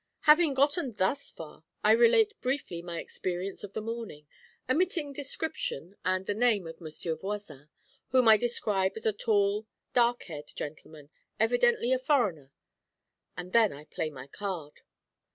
Having gotten thus far, I relate briefly my experience of this morning, omitting description and the name of Monsieur Voisin, whom I describe as a tall dark haired gentleman, evidently a foreigner, and then I play my card.